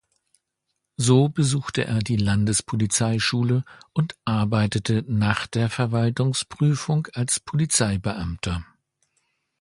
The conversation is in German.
So besuchte er die Landespolizeischule und arbeitete nach der Verwaltungsprüfung als Polizeibeamter.